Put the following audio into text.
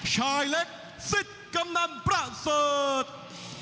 ชายเล็กสิทธิ์กำนันประเสริฐ